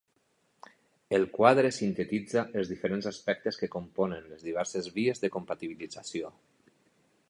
El quadre sintetitza els diferents aspectes que componen les diverses vies de compatibilització.